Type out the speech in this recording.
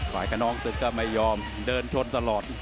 ปลายคนนองซึกก็ไม่ยอมเดินท